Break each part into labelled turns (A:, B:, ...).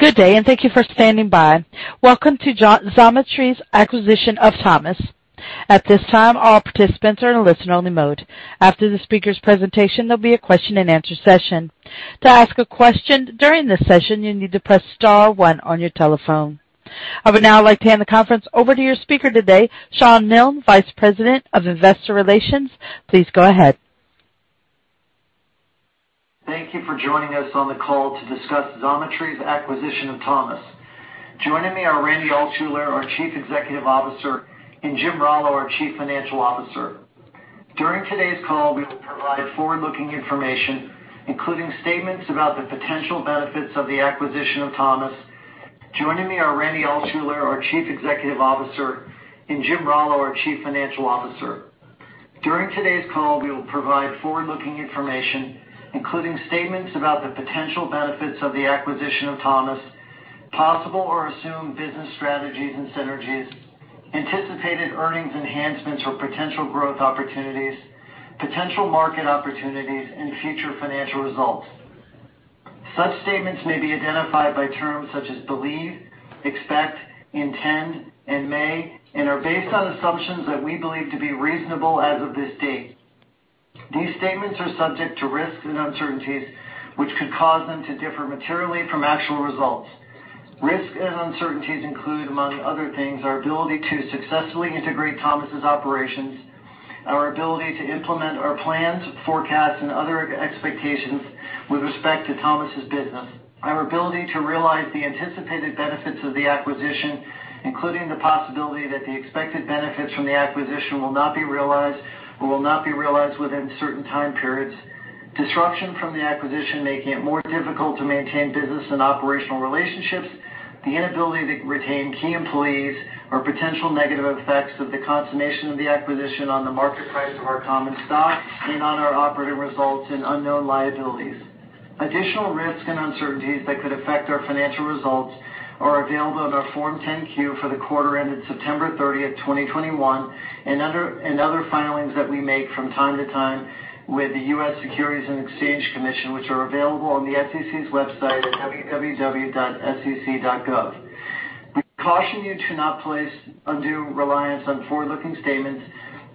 A: Good day, thank you for standing by. Welcome to Xometry's acquisition of Thomas. At this time, all participants are in listen-only mode. After the speaker's presentation, there'll be a question and answer session. To ask a question during this session, you need to press star one on your telephone. I would now like to hand the conference over to your speaker today, Shawn Milne, Vice President of Investor Relations. Please go ahead.
B: Thank you for joining us on the call to discuss Xometry's acquisition of Thomas. Joining me are Randy Altschuler, our Chief Executive Officer, and Jim Rallo, our Chief Financial Officer. During today's call, we will provide forward-looking information, including statements about the potential benefits of the acquisition of Thomas, possible or assumed business strategies and synergies, anticipated earnings enhancements or potential growth opportunities, potential market opportunities, and future financial results. Such statements may be identified by terms such as believe, expect, intend, and may, and are based on assumptions that we believe to be reasonable as of this date. These statements are subject to risks and uncertainties, which could cause them to differ materially from actual results. Risks and uncertainties include, among other things, our ability to successfully integrate Thomas's operations, our ability to implement our plans, forecasts, and other expectations with respect to Thomas's business, our ability to realize the anticipated benefits of the acquisition, including the possibility that the expected benefits from the acquisition will not be realized or will not be realized within certain time periods. Disruption from the acquisition, making it more difficult to maintain business and operational relationships, the inability to retain key employees are potential negative effects of the consummation of the acquisition on the market price of our common stock and on our operating results and unknown liabilities. Additional risks and uncertainties that could affect our financial results are available on our Form 10-Q for the quarter ended September 30, 2021, and other filings that we make from time to time with the US Securities and Exchange Commission, which are available on the SEC's website at www.sec.gov. We caution you to not place undue reliance on forward-looking statements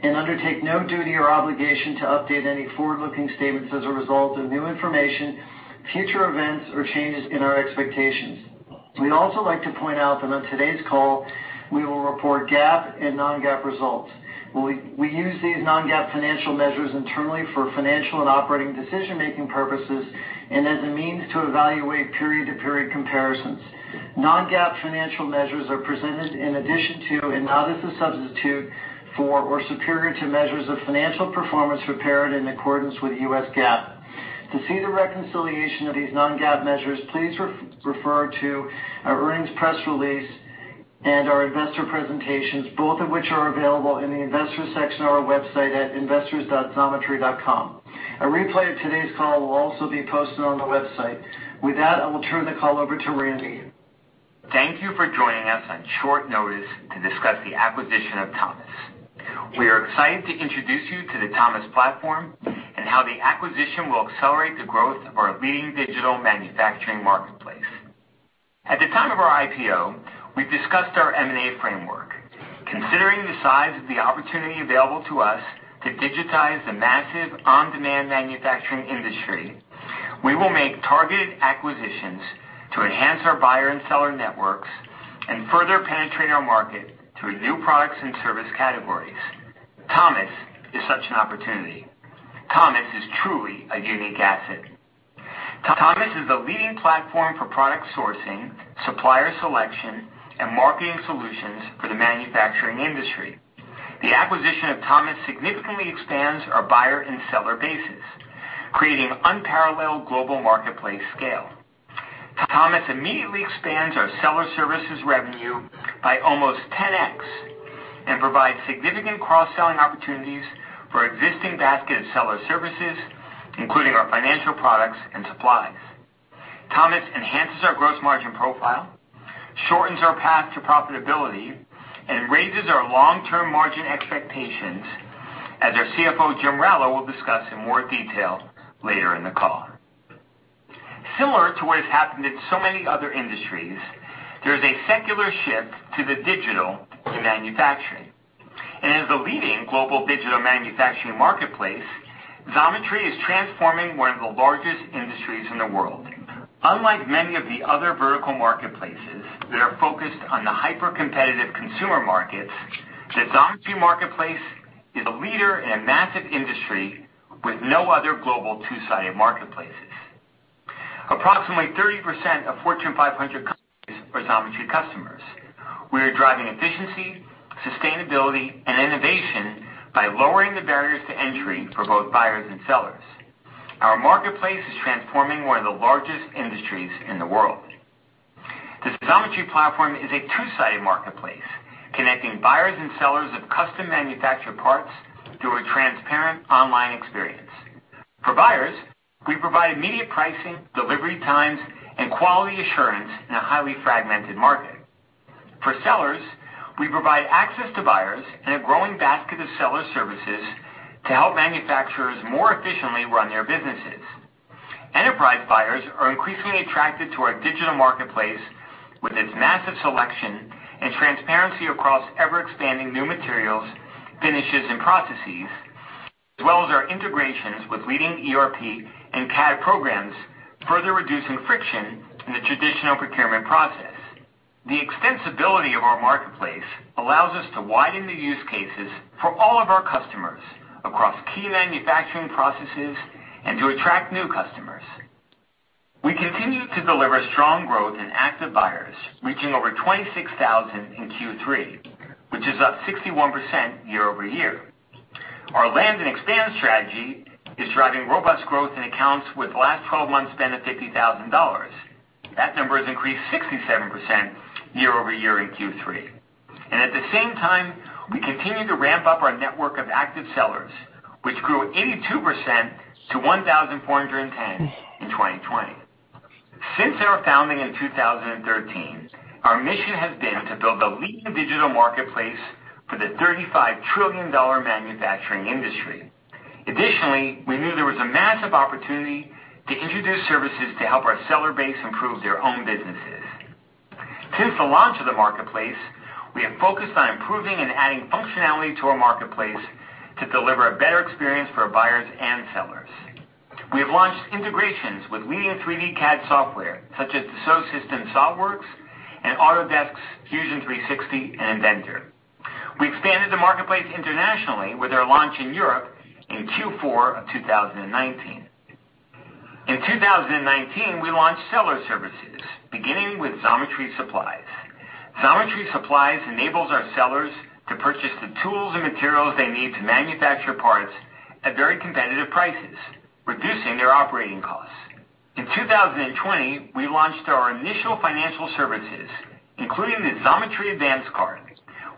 B: and undertake no duty or obligation to update any forward-looking statements as a result of new information, future events, or changes in our expectations. We'd also like to point out that on today's call, we will report GAAP and non-GAAP results. We use these non-GAAP financial measures internally for financial and operating decision-making purposes and as a means to evaluate period-to-period comparisons. Non-GAAP financial measures are presented in addition to and not as a substitute for or superior to measures of financial performance prepared in accordance with U.S. GAAP. To see the reconciliation of these non-GAAP measures, please refer to our earnings press release and our investor presentations, both of which are available in the investor section of our website at investors.xometry.com. A replay of today's call will also be posted on the website. With that, I will turn the call over to Randy.
C: Thank you for joining us on short notice to discuss the acquisition of Thomas. We are excited to introduce you to the Thomas platform and how the acquisition will accelerate the growth of our leading digital manufacturing marketplace. At the time of our IPO, we discussed our M&A framework. Considering the size of the opportunity available to us to digitize the massive on-demand manufacturing industry, we will make targeted acquisitions to enhance our buyer and seller networks and further penetrate our market through new products and service categories. Thomas is such an opportunity. Thomas is truly a unique asset. Thomas is the leading platform for product sourcing, supplier selection, and marketing solutions for the manufacturing industry. The acquisition of Thomas significantly expands our buyer and seller bases, creating unparalleled global marketplace scale. Thomas immediately expands our seller services revenue by almost 10x and provides significant cross-selling opportunities for existing buyer and seller services, including our financial products and supplies. Thomas enhances our gross margin profile, shortens our path to profitability, and raises our long-term margin expectations as our CFO, Jim Rallo, will discuss in more detail later in the call. Similar to what has happened in so many other industries, there is a secular shift to the digital in manufacturing. As a leading global digital manufacturing marketplace, Xometry is transforming one of the largest industries in the world. Unlike many of the other vertical marketplaces that are focused on the hyper-competitive consumer markets, the Xometry marketplace is a leader in a massive industry with no other global two-sided marketplaces. Approximately 30% of Fortune 500 companies are Xometry customers. We are driving efficiency, sustainability, and innovation by lowering the barriers to entry for both buyers and sellers. Our marketplace is transforming one of the largest industries in the world. This Xometry platform is a two-sided marketplace, connecting buyers and sellers of custom manufactured parts through a transparent online experience. For buyers, we provide immediate pricing, delivery times, and quality assurance in a highly fragmented market. For sellers, we provide access to buyers and a growing basket of seller services to help manufacturers more efficiently run their businesses. Enterprise buyers are increasingly attracted to our digital marketplace with its massive selection and transparency across ever-expanding new materials, finishes, and processes, as well as our integrations with leading ERP and CAD programs, further reducing friction in the traditional procurement process. The extensibility of our marketplace allows us to widen the use cases for all of our customers across key manufacturing processes and to attract new customers. We continue to deliver strong growth in active buyers, reaching over 26,000 in Q3, which is up 61% year-over-year. Our land and expand strategy is driving robust growth in accounts with last 12 months spend of $50,000. That number has increased 67% year-over-year in Q3. At the same time, we continue to ramp up our network of active sellers, which grew 82% to 1,410 in 2020. Since our founding in 2013, our mission has been to build the leading digital marketplace for the $35 trillion manufacturing industry. Additionally, we knew there was a massive opportunity to introduce services to help our seller base improve their own businesses. Since the launch of the marketplace, we have focused on improving and adding functionality to our marketplace to deliver a better experience for buyers and sellers. We have launched integrations with leading 3D CAD software, such as the Dassault Systèmes SOLIDWORKS and Autodesk's Fusion 360 Inventor. We expanded the marketplace internationally with our launch in Europe in Q4 of 2019. In 2019, we launched seller services, beginning with Xometry Supplies. Xometry Supplies enables our sellers to purchase the tools and materials they need to manufacture parts at very competitive prices, reducing their operating costs. In 2020, we launched our initial financial services, including the Xometry Advance Card,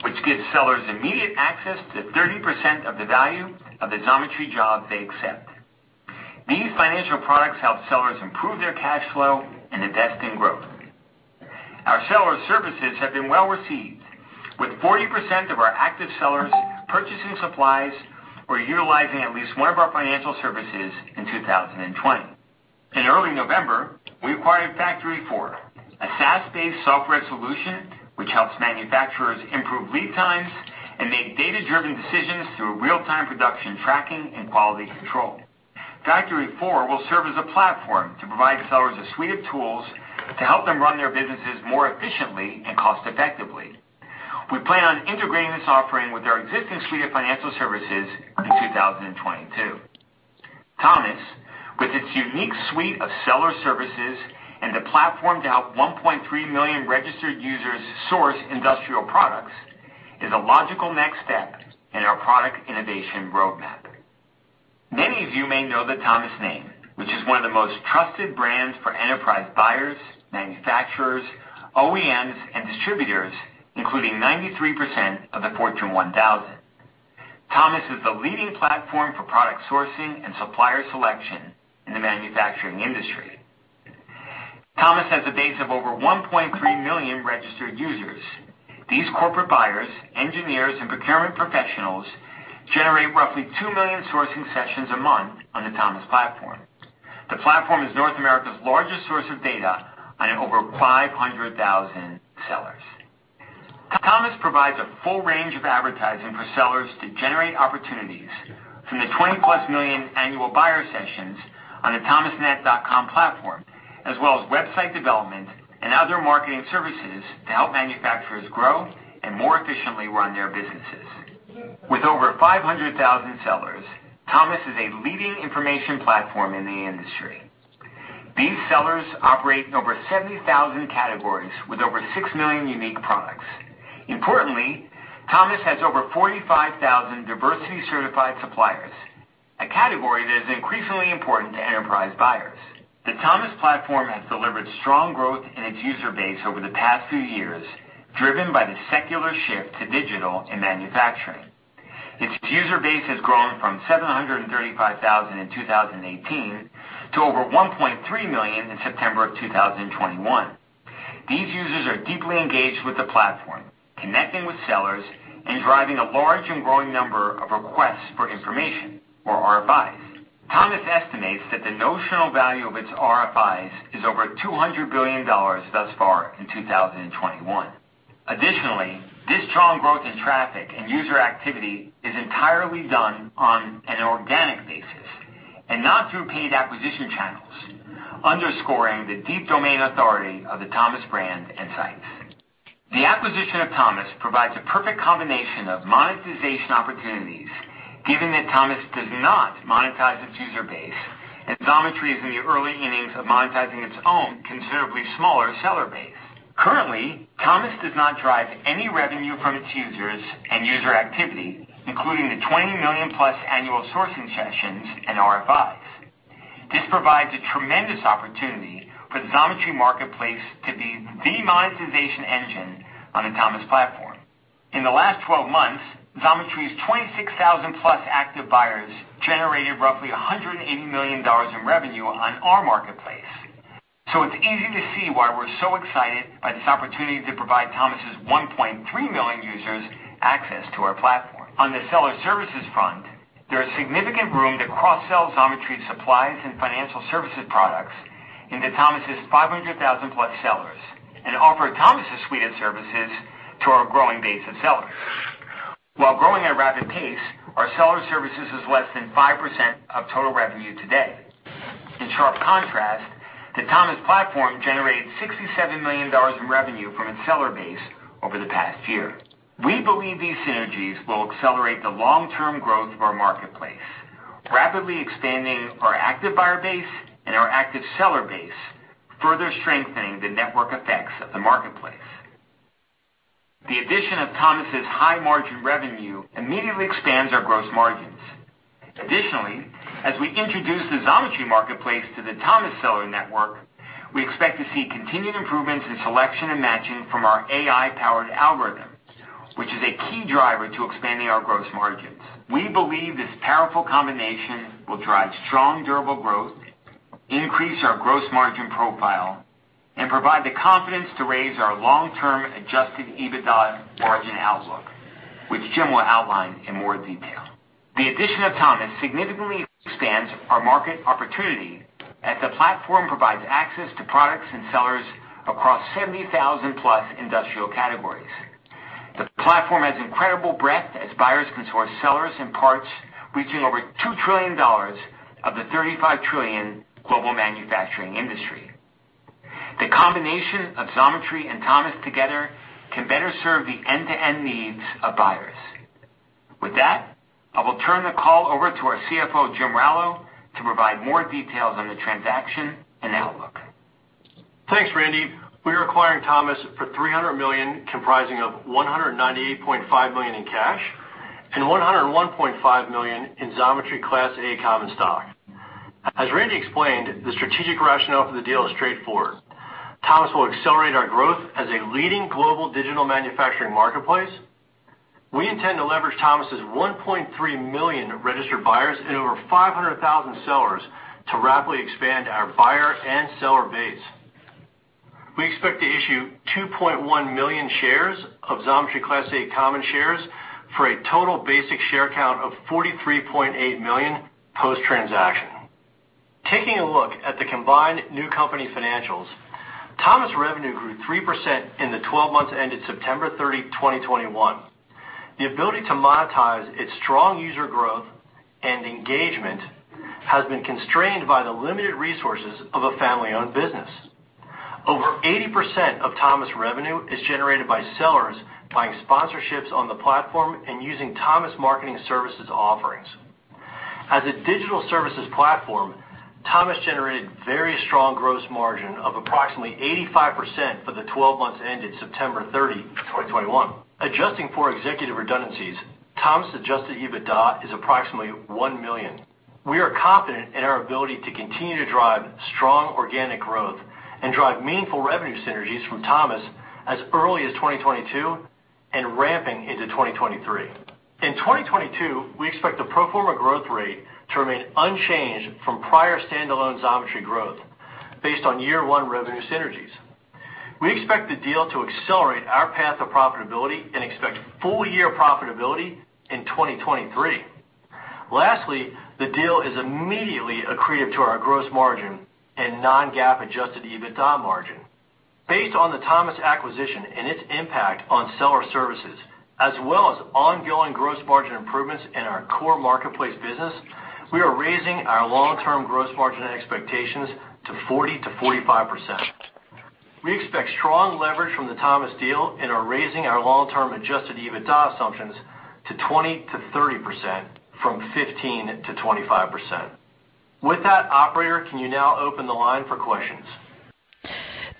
C: which gives sellers immediate access to 30% of the value of the Xometry job they accept. These financial products help sellers improve their cash flow and invest in growth. Our seller services have been well-received, with 40% of our active sellers purchasing supplies or utilizing at least one of our financial services in 2020. In early November, we acquired FactoryFour, a SaaS-based software solution which helps manufacturers improve lead times and make data-driven decisions through real-time production tracking and quality control. FactoryFour will serve as a platform to provide sellers a suite of tools to help them run their businesses more efficiently and cost-effectively. We plan on integrating this offering with our existing suite of financial services in 2022. Thomas, with its unique suite of seller services and the platform to help 1.3 million registered users source industrial products, is a logical next step in our product innovation roadmap. Many of you may know the Thomas name, which is one of the most trusted brands for enterprise buyers, manufacturers, OEMs, and distributors, including 93% of the Fortune 1000. Thomas is the leading platform for product sourcing and supplier selection in the manufacturing industry. Thomas has a base of over 1.3 million registered users. These corporate buyers, engineers, and procurement professionals generate roughly 2 million sourcing sessions a month on the Thomas platform. The platform is North America's largest source of data on over 500,000 sellers. Thomas provides a full range of advertising for sellers to generate opportunities from the 20+ million annual buyer sessions on the thomasnet.com platform, as well as website development and other marketing services to help manufacturers grow and more efficiently run their businesses. With over 500,000 sellers, Thomas is a leading information platform in the industry. These sellers operate in over 70,000 categories with over 6 million unique products. Importantly, Thomas has over 45,000 diversity certified suppliers, a category that is increasingly important to enterprise buyers. The Thomas platform has delivered strong growth in its user base over the past few years, driven by the secular shift to digital in manufacturing. Its user base has grown from 735,000 in 2018 to over 1.3 million in September 2021. These users are deeply engaged with the platform, connecting with sellers and driving a large and growing number of requests for information or RFIs. Thomas estimates that the notional value of its RFIs is over $200 billion thus far in 2021. Additionally, this strong growth in traffic and user activity is entirely done on an organic basis and not through paid acquisition channels, underscoring the deep domain authority of the Thomas brand and sites. The acquisition of Thomas provides a perfect combination of monetization opportunities, given that Thomas does not monetize its user base and Xometry is in the early innings of monetizing its own considerably smaller seller base. Currently, Thomas does not drive any revenue from its users and user activity, including the 20+ million annual sourcing sessions and RFIs. This provides a tremendous opportunity for the Xometry marketplace to be the monetization engine on the Thomas platform. In the last 12 months, Xometry's 26,000+ active buyers generated roughly $180 million in revenue on our marketplace. It's easy to see why we're so excited by this opportunity to provide Thomas's 1.3 million users access to our platform. On the seller services front, there is significant room to cross-sell Xometry Supplies and financial services products into Thomas's 500,000-plus sellers and offer Thomas's suite of services to our growing base of sellers. While growing at a rapid pace, our seller services is less than 5% of total revenue today. In sharp contrast, the Thomas platform generated $67 million in revenue from its seller base over the past year. We believe these synergies will accelerate the long-term growth of our marketplace, rapidly expanding our active buyer base and our active seller base, further strengthening the network effects of the marketplace. The addition of Thomas's high margin revenue immediately expands our gross margins. Additionally, as we introduce the Xometry marketplace to the Thomas seller network, we expect to see continued improvements in selection and matching from our AI-powered algorithm, which is a key driver to expanding our gross margins. We believe this powerful combination will drive strong, durable growth, increase our gross margin profile, and provide the confidence to raise our long-term Adjusted EBITDA margin outlook, which Jim will outline in more detail. The addition of Thomas significantly expands our market opportunity as the platform provides access to products and sellers across 70,000+ industrial categories. The platform has incredible breadth as buyers can source sellers and parts reaching over $2 trillion of the $35 trillion global manufacturing industry. The combination of Xometry and Thomas together can better serve the end-to-end needs of buyers. With that, I will turn the call over to our CFO, Jim Rallo, to provide more details on the transaction and outlook.
D: Thanks, Randy. We're acquiring Thomas for $300 million, comprising of $198.5 million in cash and $101.5 million in Xometry Class A common stock. As Randy explained, the strategic rationale for the deal is straightforward. Thomas will accelerate our growth as a leading global digital manufacturing marketplace. We intend to leverage Thomas's 1.3 million registered buyers and over 500,000 sellers to rapidly expand our buyer and seller base. We expect to issue 2.1 million shares of Xometry Class A common shares for a total basic share count of 43.8 million post-transaction. Taking a look at the combined new company financials, Thomas revenue grew 3% in the 12 months ended September 30, 2021. The ability to monetize its strong user growth and engagement has been constrained by the limited resources of a family-owned business. Over 80% of Thomas revenue is generated by sellers buying sponsorships on the platform and using Thomas marketing services offerings. As a digital services platform, Thomas generated very strong gross margin of approximately 85% for the 12 months ended September 30, 2021. Adjusting for executive redundancies, Thomas adjusted EBITDA is approximately $1 million. We are confident in our ability to continue to drive strong organic growth and drive meaningful revenue synergies from Thomas as early as 2022 and ramping into 2023. In 2022, we expect the pro forma growth rate to remain unchanged from prior standalone Xometry growth based on year one revenue synergies. We expect the deal to accelerate our path to profitability and expect full year profitability in 2023. Lastly, the deal is immediately accretive to our gross margin and non-GAAP adjusted EBITDA margin. Based on the Thomas acquisition and its impact on seller services, as well as ongoing gross margin improvements in our core marketplace business, we are raising our long-term gross margin expectations to 40%-45%. We expect strong leverage from the Thomas deal and are raising our long-term adjusted EBITDA assumptions to 20%-30% from 15%-25%. With that, operator, can you now open the line for questions?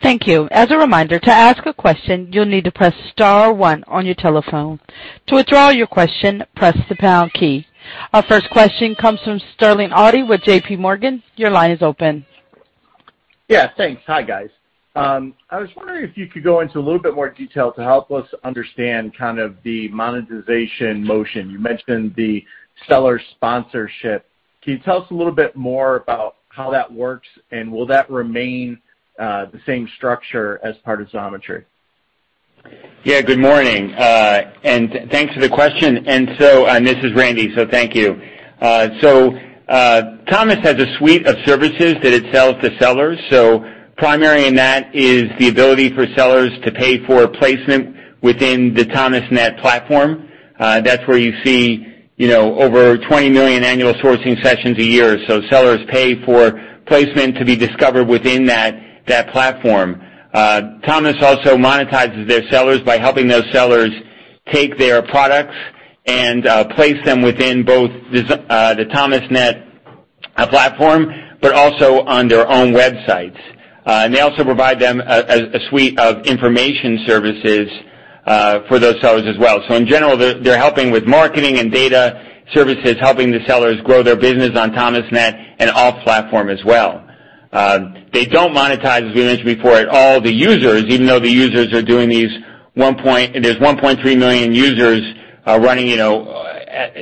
A: Thank you. As a reminder, to ask a question, you'll need to press star one on your telephone. To withdraw your question, press the pound key. Our first question comes from Sterling Auty with JPMorgan. Your line is open.
E: Yeah, thanks. Hi, guys. I was wondering if you could go into a little bit more detail to help us understand kind of the monetization motion. You mentioned the seller sponsorship. Can you tell us a little bit more about how that works, and will that remain the same structure as part of Xometry?
C: Yeah, good morning. Thanks for the question. This is Randy, so thank you. Thomas has a suite of services that it sells to sellers. Primary in that is the ability for sellers to pay for placement within the Thomasnet platform. That's where you see, you know, over 20 million annual sourcing sessions a year. Sellers pay for placement to be discovered within that platform. Thomas also monetizes their sellers by helping those sellers take their products and place them within the Thomasnet platform, but also on their own websites. They also provide them a suite of information services for those sellers as well. In general, they're helping with marketing and data services, helping the sellers grow their business on Thomasnet and off platform as well. They don't monetize, as we mentioned before, at all the users, even though the users are doing these. There's 1.3 million users running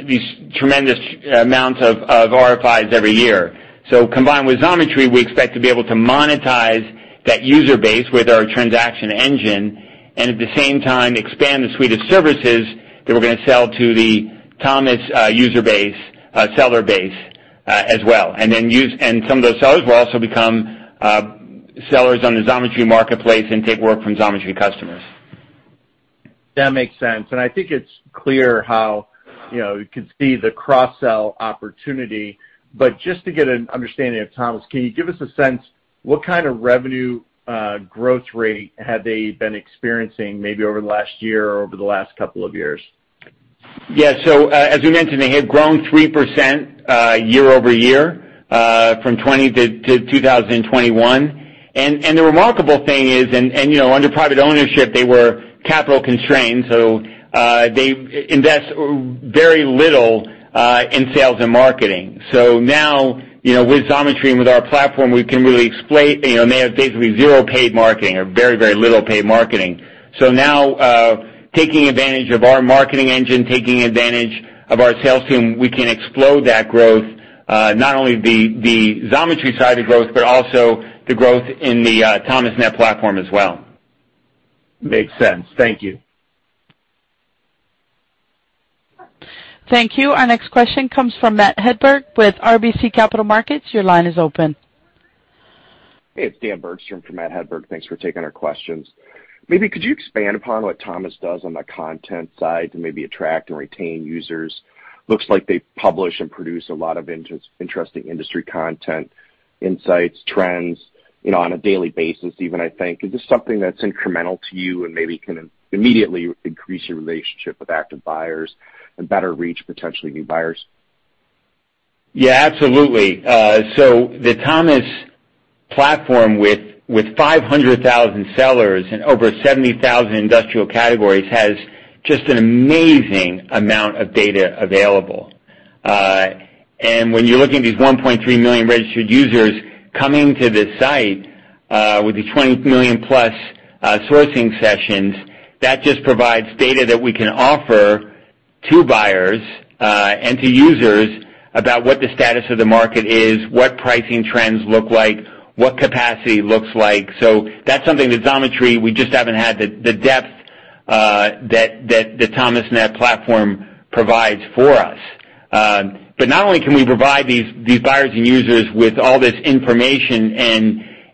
C: these tremendous amounts of RFIs every year. Combined with Xometry, we expect to be able to monetize that user base with our transaction engine and at the same time expand the suite of services that we're gonna sell to the Thomas user base, seller base, as well. Some of those sellers will also become sellers on the Xometry marketplace and take work from Xometry customers.
E: That makes sense. I think it's clear how, you know, you could see the cross-sell opportunity. Just to get an understanding of Thomas, can you give us a sense what kind of revenue growth rate have they been experiencing maybe over the last year or over the last couple of years?
C: Yeah. As we mentioned, they had grown 3%, year-over-year, from 2020-2021. The remarkable thing is, you know, under private ownership, they were capital constrained, so they invested very little in sales and marketing. Now, you know, with Xometry and with our platform, we can really exploit. You know, they have basically zero paid marketing or very, very little paid marketing. Now, taking advantage of our marketing engine, taking advantage of our sales team, we can explode that growth, not only the Xometry side of growth, but also the growth in the Thomasnet platform as well.
E: Makes sense. Thank you.
A: Thank you. Our next question comes from Matt Hedberg with RBC Capital Markets. Your line is open.
F: Hey, it's Dan Bergstrom for Matt Hedberg. Thanks for taking our questions. Maybe could you expand upon what Thomas does on the content side to maybe attract and retain users? Looks like they publish and produce a lot of interesting industry content, insights, trends, you know, on a daily basis even, I think. Is this something that's incremental to you and maybe can immediately increase your relationship with active buyers and better reach potentially new buyers?
C: Yeah, absolutely. The Thomas platform with 500,000 sellers and over 70,000 industrial categories has just an amazing amount of data available. When you're looking at these 1.3 million registered users coming to the site with the 20+ million sourcing sessions, that just provides data that we can offer to buyers and to users about what the status of the market is, what pricing trends look like, what capacity looks like. That's something that Xometry we just haven't had the depth that the Thomasnet platform provides for us. Not only can we provide these buyers and users with all this information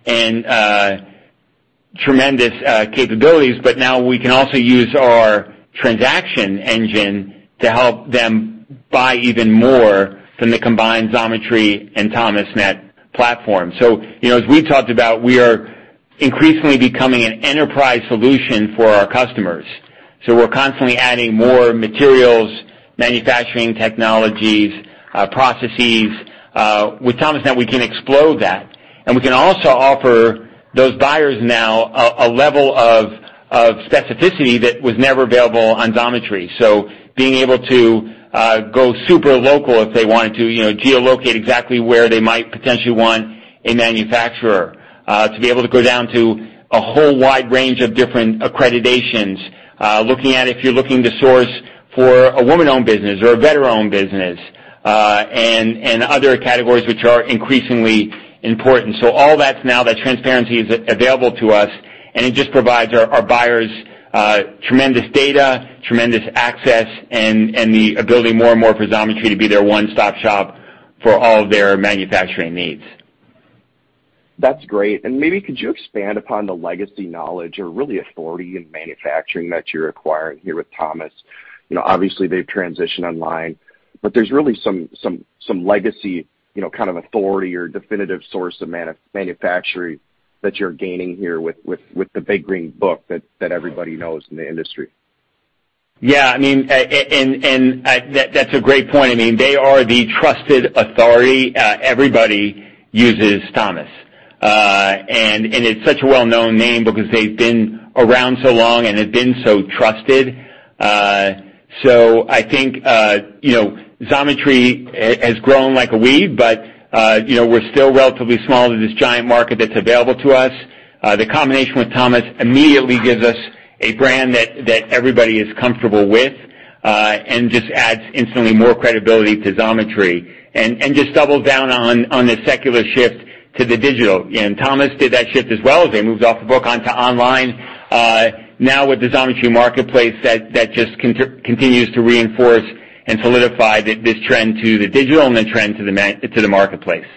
C: and tremendous capabilities, but now we can also use our transaction engine to help them buy even more from the combined Xometry and Thomasnet platform. You know, as we talked about, we are increasingly becoming an enterprise solution for our customers. We're constantly adding more materials, manufacturing technologies, processes. With Thomasnet, we can explode that, and we can also offer those buyers now a level of specificity that was never available on Xometry. Being able to go super local if they wanted to, you know, geolocate exactly where they might potentially want a manufacturer to be able to go down to a whole wide range of different accreditations, looking at if you're looking to source for a woman-owned business or a veteran-owned business, and other categories which are increasingly important. All that's now, that transparency is available to us, and it just provides our buyers tremendous data, tremendous access, and the ability more and more for Xometry to be their one-stop shop for all of their manufacturing needs.
F: That's great. Maybe could you expand upon the legacy knowledge or really authority in manufacturing that you're acquiring here with Thomas? You know, obviously, they've transitioned online, but there's really some legacy, you know, kind of authority or definitive source of manufacturing that you're gaining here with the big green book that everybody knows in the industry.
C: Yeah, I mean, that's a great point. I mean, they are the trusted authority. Everybody uses Thomas. It's such a well-known name because they've been around so long and have been so trusted. I think, you know, Xometry has grown like a weed, but, you know, we're still relatively small to this giant market that's available to us. The combination with Thomas immediately gives us a brand that everybody is comfortable with, and just adds instantly more credibility to Xometry and just doubles down on the secular shift to the digital. Thomas did that shift as well as they moved off the book onto online. Now with the Xometry marketplace, that just continues to reinforce and solidify this trend to the digital and the trend to the marketplace.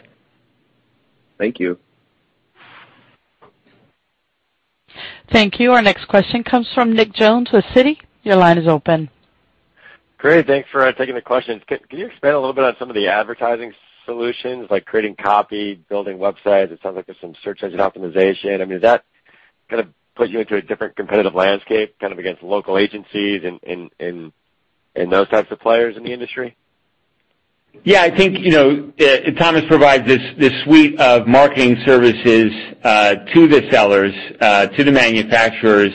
F: Thank you.
A: Thank you. Our next question comes from Nick Jones with Citi. Your line is open.
G: Great. Thanks for taking the questions. Can you expand a little bit on some of the advertising solutions like creating copy, building websites? It sounds like there's some search engine optimization. I mean, does that kind of put you into a different competitive landscape, kind of against local agencies and those types of players in the industry?
C: Yeah. I think, you know, Thomas provides this suite of marketing services to the sellers to the manufacturers.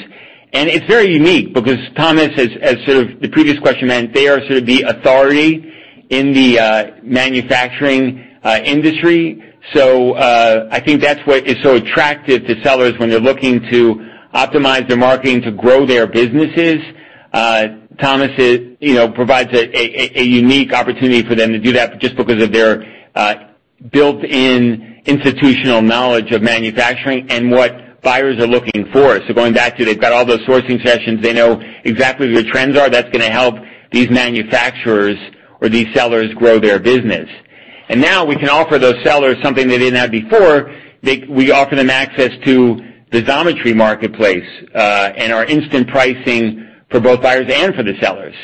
C: It's very unique because Thomas has, as sort of the previous question meant, they are sort of the authority in the manufacturing industry. I think that's why it's so attractive to sellers when they're looking to optimize their marketing to grow their businesses. Thomas is, you know, provides a unique opportunity for them to do that just because of their built-in institutional knowledge of manufacturing and what buyers are looking for. Going back to they've got all those sourcing sessions, they know exactly where trends are, that's gonna help these manufacturers or these sellers grow their business. Now we can offer those sellers something they didn't have before. We offer them access to the Xometry marketplace and our instant pricing for both buyers and for the sellers.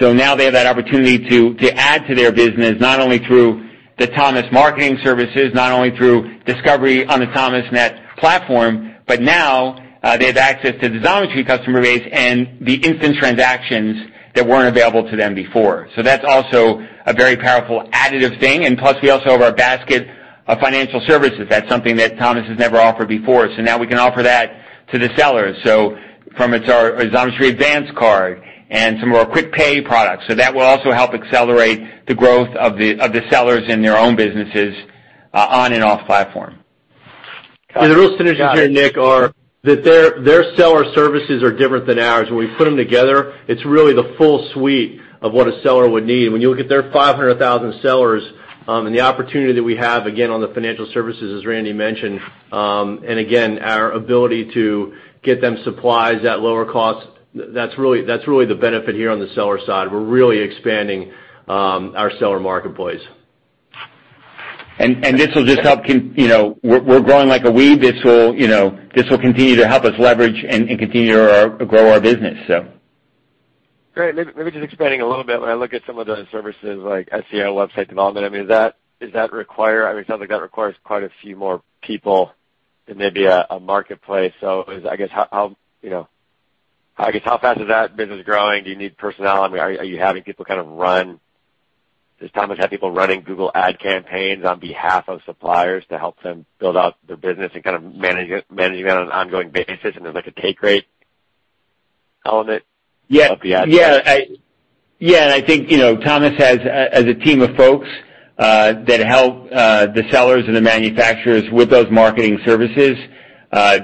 C: Now they have that opportunity to add to their business, not only through the Thomas marketing services, not only through discovery on the Thomasnet platform, but now they have access to the Xometry customer base and the instant transactions that weren't available to them before. That's also a very powerful additive thing. Plus, we also have our basket of financial services. That's something that Thomas has never offered before. Now we can offer that to the sellers. It's our Xometry Advance Card and some of our quick pay products. That will also help accelerate the growth of the sellers in their own businesses, on and off platform.
D: The real synergies here, Nick, are that their seller services are different than ours. When we put them together, it's really the full suite of what a seller would need. When you look at their 500,000 sellers and the opportunity that we have, again, on the financial services, as Randy mentioned, and again, our ability to get them supplies at lower costs, that's really the benefit here on the seller side. We're really expanding our seller marketplace.
C: You know, we're growing like a weed. This will, you know, this will continue to help us leverage and continue to grow our business.
G: Great. Maybe just expanding a little bit. When I look at some of the services like SEO website development, I mean, it sounds like that requires quite a few more people than maybe a marketplace. I guess, how fast is that business growing? Do you need personnel? I mean, does Thomas have people running Google Ad campaigns on behalf of suppliers to help them build out their business and kind of manage it on an ongoing basis, and there's like a take rate element of the ad?
C: Yeah. I think, you know, Thomas has a team of folks that help the sellers and the manufacturers with those marketing services.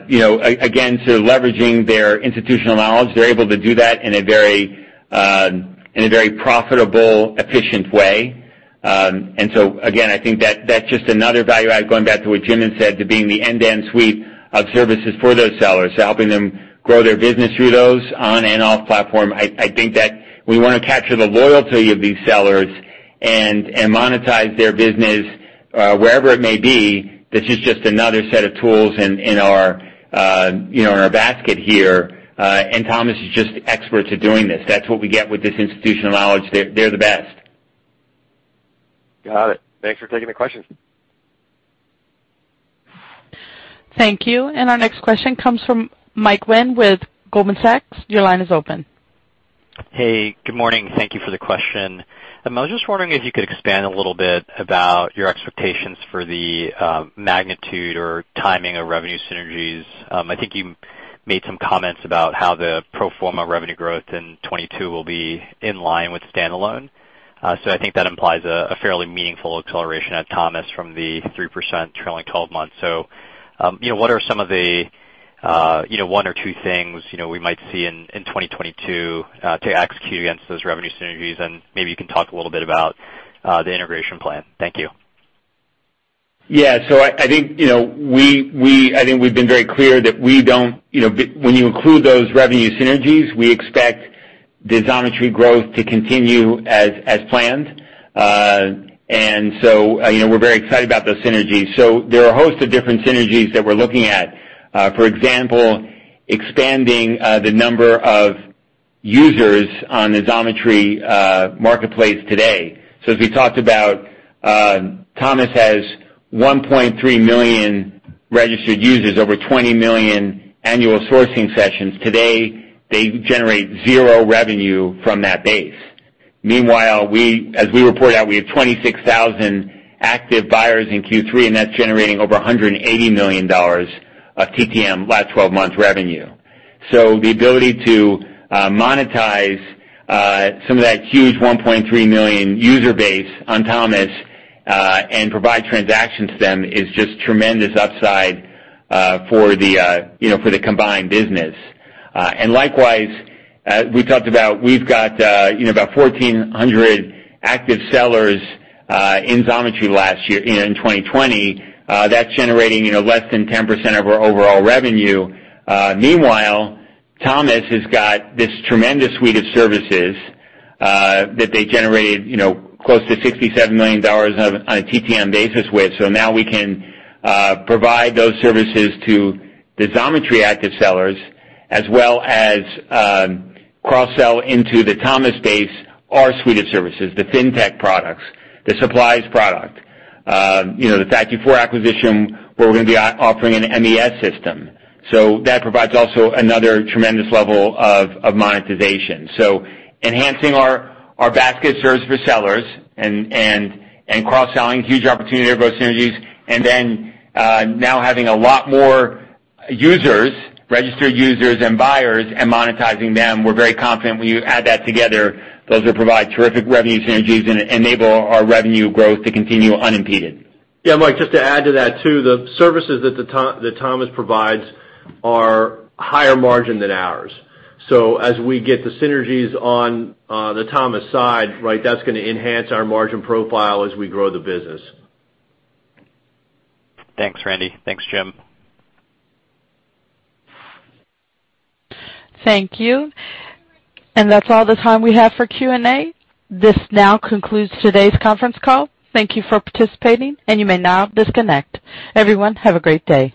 C: You know, again, leveraging their institutional knowledge, they're able to do that in a very profitable, efficient way. Again, I think that's just another value add, going back to what Jim had said, to being the end-to-end suite of services for those sellers, helping them grow their business through those on and off platform. I think that we wanna capture the loyalty of these sellers and monetize their business, wherever it may be. This is just another set of tools in our, you know, basket here. Thomas is just experts at doing this. That's what we get with this institutional knowledge. They're the best.
G: Got it. Thanks for taking the questions.
A: Thank you. Our next question comes from Mike Ng with Goldman Sachs. Your line is open.
H: Hey. Good morning. Thank you for the question. I was just wondering if you could expand a little bit about your expectations for the magnitude or timing of revenue synergies. I think you made some comments about how the pro forma revenue growth in 2022 will be in line with standalone. I think that implies a fairly meaningful acceleration at Thomas from the 3% trailing 12 months. You know, what are some of the, you know, one or two things, you know, we might see in 2022 to execute against those revenue synergies? Maybe you can talk a little bit about the integration plan. Thank you.
C: Yeah. I think we've been very clear that we don't. When you include those revenue synergies, we expect the Xometry growth to continue as planned. We're very excited about those synergies. There are a host of different synergies that we're looking at. For example, expanding the number of users on the Xometry marketplace today. As we talked about, Thomas has 1.3 million registered users, over 20 million annual sourcing sessions. Today, they generate zero revenue from that base. Meanwhile, as we report out, we have 26,000 active buyers in Q3, and that's generating over $180 million of TTM last 12 months revenue. The ability to monetize some of that huge 1.3 million user base on Thomas and provide transactions to them is just tremendous upside for the, you know, for the combined business. Likewise, we talked about. We've got, you know, about 1,400 active sellers in Xometry last year, in 2020. That's generating, you know, less than 10% of our overall revenue. Meanwhile, Thomas has got this tremendous suite of services that they generated, you know, close to $67 million on a TTM basis. Now we can provide those services to the Xometry active sellers as well as cross-sell into the Thomas base, our suite of services, the Fintech products, the supplies product, you know, the FactoryFour acquisition, where we're gonna be offering an MES system. That provides also another tremendous level of monetization. Enhancing our basket service for sellers and cross-selling, huge opportunity to grow synergies. Now having a lot more users, registered users and buyers and monetizing them, we're very confident when you add that together, those will provide terrific revenue synergies and enable our revenue growth to continue unimpeded.
D: Yeah, Mike, just to add to that too. The services that Thomas provides are higher margin than ours. As we get the synergies on the Thomas side, right, that's gonna enhance our margin profile as we grow the business.
H: Thanks, Randy. Thanks, Jim.
A: Thank you. That's all the time we have for Q&A. This now concludes today's conference call. Thank you for participating, and you may now disconnect. Everyone, have a great day.